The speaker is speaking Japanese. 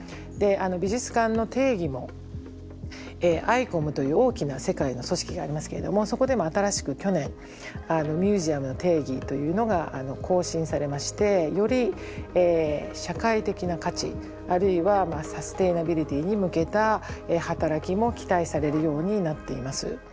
美術館の定義もＩＣＯＭという大きな世界の組織がありますけれどもそこで新しく去年ミュージアムの定義というのが更新されましてより社会的な価値あるいはサステナビリティに向けた働きも期待されるようになっています。